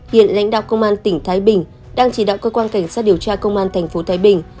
hiện lãnh đạo công an tỉnh thái bình đang chỉ đạo cơ quan cảnh sát điều tra công an tp thái bình